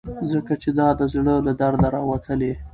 ځکه چې دا د زړه له درده راوتلي.